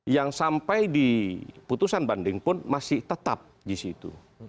yang sampai di putusan banding pun masih tetap di situ